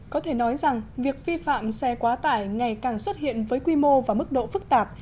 có thể nói rằng việc vi phạm xe quá tải ngày càng xuất hiện với quy mô và mức độ phức tạp